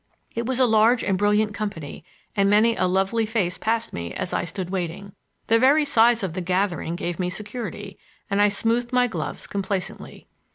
It was a large and brilliant company and many a lovely face passed me as I stood waiting. The very size of the gathering gave me security, and I smoothed my gloves complacently.